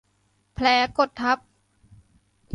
แผลกดทับ